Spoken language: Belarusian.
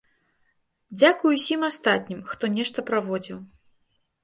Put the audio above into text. Дзякуй усім астатнім, хто нешта праводзіў.